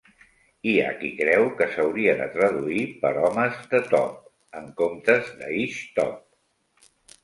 Hi ha qui creu que s'hauria de traduir per "homes de Tob", en comptes de "Ishtob".